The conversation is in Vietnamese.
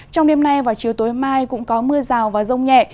trong đêm nay và chiều tối mai cũng có mưa rào và rông nhẹ